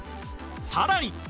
さらに